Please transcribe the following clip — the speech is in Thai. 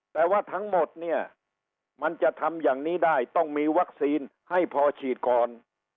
แต่ว่าทั้งหมดเนี่ยมันจะทำอย่างนี้ได้ต้องมีวัคซีนให้พอฉีดก่อน